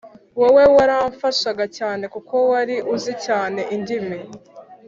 wowe waramfashaga cyane kuko wari uzi cyane indimi